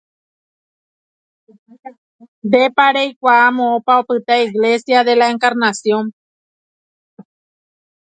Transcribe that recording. Ndépa reikuaa moõpa opyta Iglesia de la Encarnación.